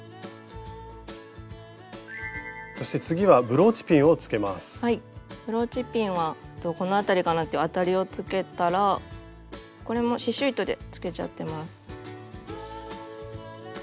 ブローチピンはこの辺りかなっていうあたりをつけたらこれも刺しゅう糸でつけちゃってます。